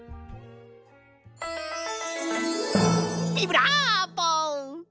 ビブラーボ！